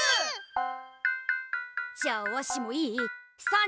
じゃあわしもいい？